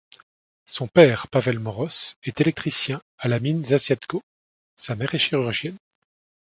Son père Pavel Moroz est électricien à la mine Zassiadko, sa mère est chirurgienne.